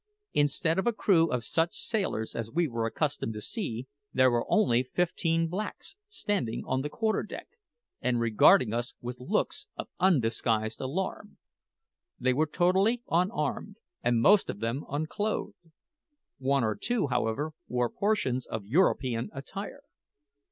Instead of a crew of such sailors as we were accustomed to see, there were only fifteen blacks, standing on the quarter deck, and regarding us with looks of undisguised alarm. They were totally unarmed, and most of them unclothed. One or two, however, wore portions of European attire.